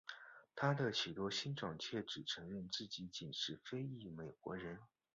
他的许多兄长却只承认自己仅是非裔美国人。